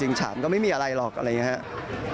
ฉานก็ไม่มีอะไรหรอกอะไรอย่างนี้ครับ